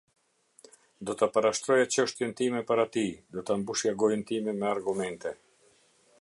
Do ta parashtroja çështjen time para tij, do ta mbushja gojën time me argumente.